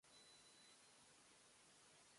お客様、何かお探しですか？